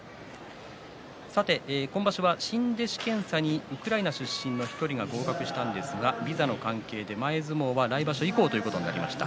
今場所は新弟子検査にウクライナ出身の力士が１人合格したんですがビザの関係で前相撲は来場所以降ということになりました。